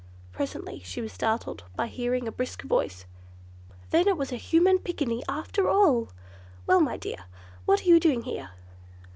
Presently she was startled by hearing a brisk voice: "Then it was a human picaninny, after all! Well, my dear, what are you doing here?"